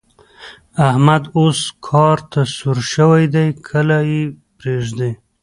احمد اوس کار ته سور شوی دی؛ کله يې پرېږدي.